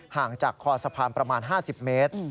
ห่างจากคอสะพานประมาณ๕๐เมตร